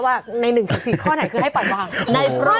ว่าในหนึ่งสัทธา๔ข้อไหนคือให้ปล่อยวาง